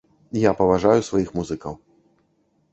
Я паважаю сваіх музыкаў.